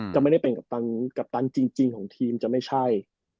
จะไม่ได้เป็นกัปตันจริงของทีมจะไม่ใช่